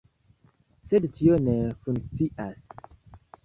Sed tio ne funkcias.